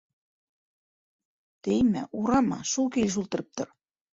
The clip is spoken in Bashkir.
— Теймә, урама, шул килеш ултырып тор.